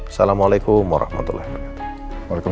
assalamualaikum warahmatullahi wabarakatuh